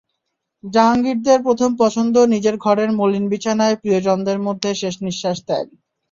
জাহাঙ্গীরদের প্রথম পছন্দ নিজের ঘরের মলিন বিছানায় প্রিয়জনদের মধ্যে শেষনিঃশ্বাস ত্যাগ।